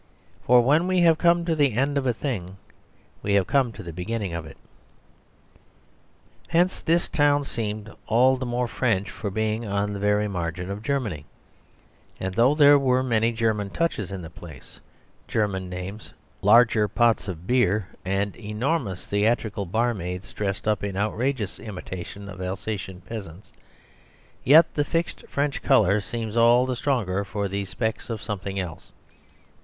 For when we have come to the end of a thing we have come to the beginning of it. Hence this town seemed all the more French for being on the very margin of Germany, and although there were many German touches in the place German names, larger pots of beer, and enormous theatrical barmaids dressed up in outrageous imitation of Alsatian peasants yet the fixed French colour seemed all the stronger for these specks of something else.